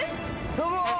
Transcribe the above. どうも。